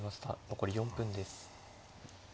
残り４分です。